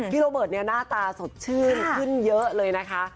โรเบิร์ตเนี่ยหน้าตาสดชื่นขึ้นเยอะเลยนะคะ